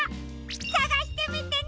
さがしてみてね！